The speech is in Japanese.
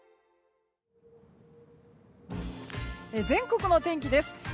全国の天気です。